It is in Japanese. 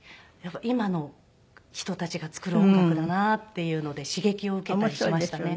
今の人たちが作る音楽だなっていうので刺激を受けたりしましたね。